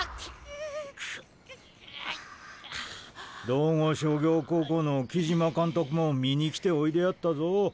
道後商業高校の木島監督も見に来ておいでやったぞ。